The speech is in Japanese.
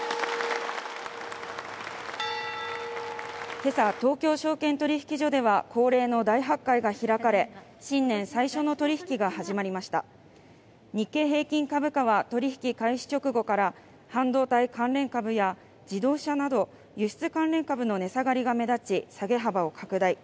今朝東京証券取引所では恒例の大発会が開かれ新年最初の取り引きが始まりました日経平均株価は取引開始直後から半導体関連株や自動車など輸出関連株の値下がりが目立ち下げ幅を拡大